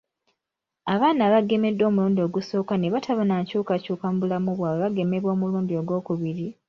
Abaana abagemeddwa omulundi ogusooka ne bataba na nkyukakyuka mu bulamu bwabwe bagemebwa omulundi ogwokubiri